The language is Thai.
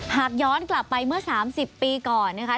หากย้อนกลับไปเมื่อ๓๐ปีก่อนนะคะ